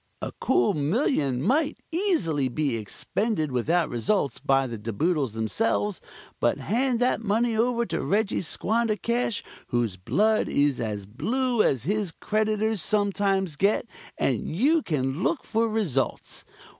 A cool million might easily be expended without results, by the De Boodles themselves, but hand that money over to Reggie Squandercash, whose blood is as blue as his creditors sometimes get, and you can look for results.